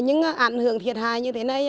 những ảnh hưởng thiệt hại như thế này